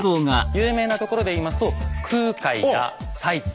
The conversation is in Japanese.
有名なところで言いますと空海や最澄。